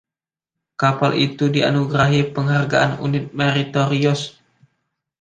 Kapal itu dianugerahi Penghargaan Unit Meritorious.